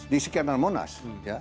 di sekitar monas